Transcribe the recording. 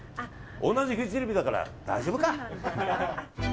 同じフジテレビだから大丈夫か。